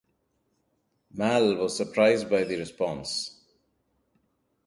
Malle was surprised by the response.